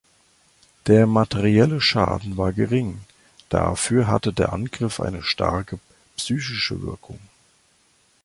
Der materielle Schaden war gering, dafür hatte der Angriff eine starke psychische Wirkung.